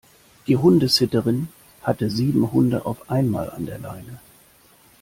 Die Hundesitterin hatte sieben Hunde auf einmal an der Leine.